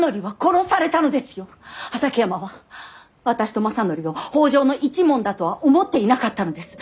畠山は私と政範を北条の一門だとは思っていなかったのです。